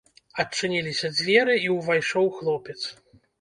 Адчыніліся дзверы, і ўвайшоў хлопец.